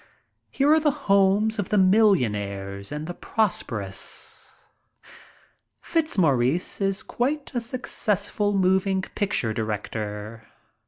Here are the homes of the million aires and the prosperous. Fitzmaurice is quite a successful moving picture director.